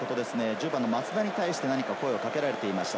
１０番・松田に対して声をかけていました。